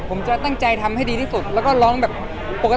ผมจะตั้งใจทำให้ดีที่สุดแล้วก็ร้องแบบปกติ